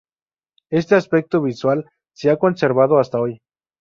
Este aspecto visual se ha conservado hasta hoy.